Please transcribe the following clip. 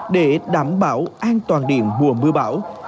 để đảm bảo an toàn điện mùa mưa bão